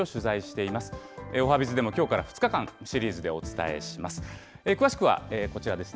おはＢｉｚでもきょうから２日間、シリーズでお伝えします。